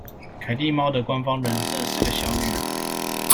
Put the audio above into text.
凱蒂貓的官方人設是個小女孩